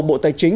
bộ tài chính